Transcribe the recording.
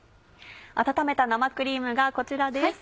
温めた生クリームがこちらです。